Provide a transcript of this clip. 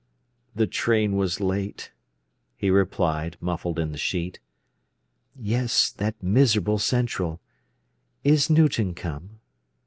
"The train was late," he replied, muffled in the sheet. "Yes; that miserable Central! Is Newton come?"